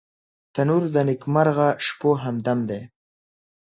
تنور د نیکمرغه شپو همدم دی